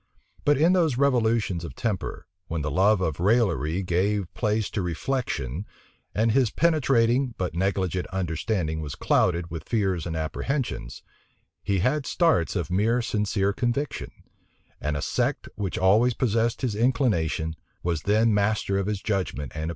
But in those revolutions of temper, when the love of raillery gave place to reflection, and his penetrating, but negligent understanding was clouded with fears and apprehensions, he had starts of mere sincere conviction; and a sect which always possessed his inclination, was then master of his judgment and opinion.